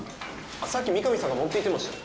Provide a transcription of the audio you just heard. さっき三上さんが持っていってましたよ